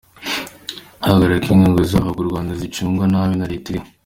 Byagaragaye ko inkunga zihabwa u Rwanda zicungwa nabi na Leta iriho.